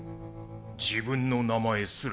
自分の名前すら。